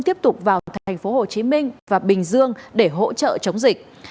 tiếp tục vào thành phố hồ chí minh và bình dương để hỗ trợ chống dịch